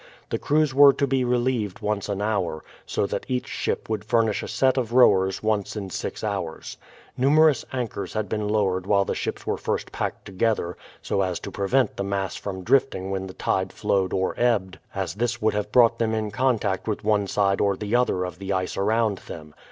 The crews were to be relieved once an hour, so that each ship would furnish a set of rowers once in six hours. Numerous anchors had been lowered when the ships were first packed together, so as to prevent the mass from drifting when the tide flowed or ebbed, as this would have brought them in contact with one side or the other of the ice around them.